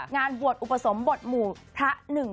พระพุทธคือพระพุทธคือ